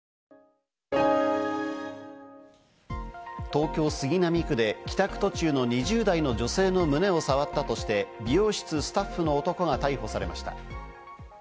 東京・杉並区で帰宅途中の２０代の女性の胸を触ったとして、美容室スタッフの男が逮捕されました。